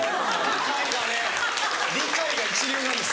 理解がね理解が一流なんです。